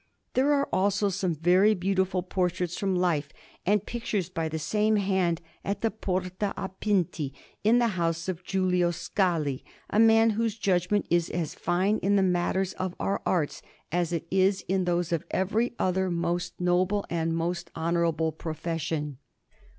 There are also some very beautiful portraits from life and pictures by the same hand at the Porta a Pinti, in the house of Giulio Scali, a man whose judgment is as fine in the matters of our arts as it is in those of every other most noble and most honourable profession.